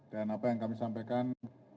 dan apa yang kalian inginkan